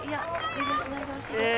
無理はしないでほしいです。